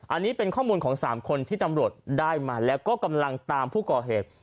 อันนี้เป็นข้อมูลของ๓คนที่ตำรวจได้มาแล้วก็กำลังตามผู้ก่อเหตุ